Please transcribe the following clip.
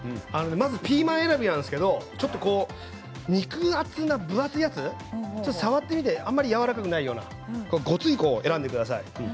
まず、ピーマン選びなんですけど肉厚な分厚いやつ触ってみてあまりやわらかくないようなごついのを選んでください。